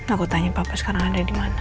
aku tanya papa sekarang ada dimana